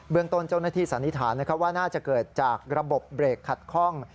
เมืองต้นเจ้าหน้าที่สันนิษฐานว่าน่าจะเกิดจากระบบเบรกขัดข้อง